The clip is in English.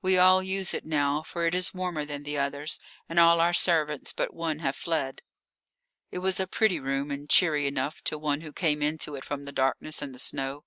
We all use it now, for it is warmer than the others, and all our servants but one have fled." It was a pretty room, and cheery enough to one who came into it from the darkness and the snow.